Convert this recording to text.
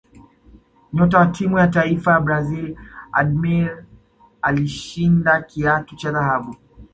nyota wa timu ya taifa ya brazil ademir alishinda kiatu cha dhahabu